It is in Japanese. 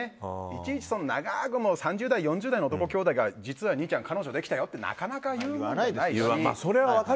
いちいち長く３０代、４０代の男兄弟が実は兄ちゃん彼女できたよってなかなか言わないですし。